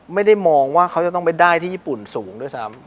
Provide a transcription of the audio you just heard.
ไม่ได้มองว่าเขาจะต้องไปได้ที่ญี่ปุ่นสูงด้วยซ้ำ